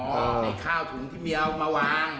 ไอ้ข้าวถุงที่เมียเอามาวาง